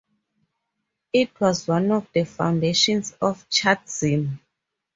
It was one of the foundations of Chartism.